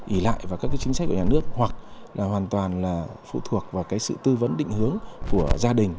ý lại vào các chính sách của nhà nước hoặc hoàn toàn phụ thuộc vào sự tư vấn định hướng của gia đình